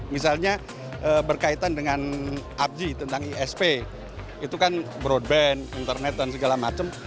misalnya berkaitan dengan abji tentang isp itu kan broadband internet dan segala macam